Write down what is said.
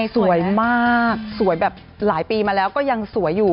สวยมากสวยแบบหลายปีมาแล้วก็ยังสวยอยู่